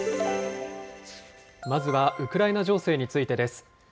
まずはウクライナ情勢についてです。